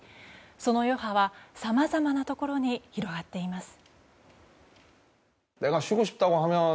その余波はさまざまなところに広がっています。